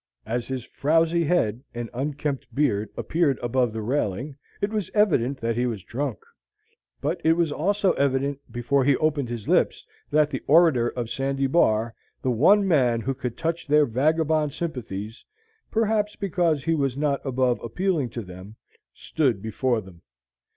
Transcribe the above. As his frowsy head and unkempt beard appeared above the railing, it was evident that he was drunk. But it was also evident, before he opened his lips, that the orator of Sandy Bar the one man who could touch their vagabond sympathies (perhaps because he was not above appealing to them) stood before them.